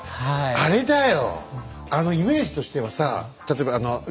あれだよ